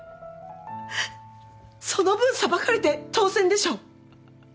その分裁かれて当然でしょ！？